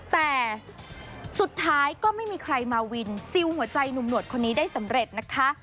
แต่สุดท้ายก็ไม่มีใครมาวินซิลหัวใจหนุ่มหวดคนนี้ได้สำเร็จนะคะ